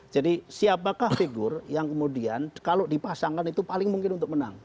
jadi siapakah figur yang kemudian kalau dipasangkan itu paling mungkin untuk menang